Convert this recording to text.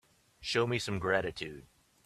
Show me some gratitude.